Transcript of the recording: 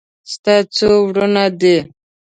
ستا څو ورونه دي